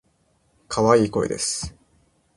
可愛い声です。